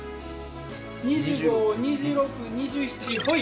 ２５２６２７ほい。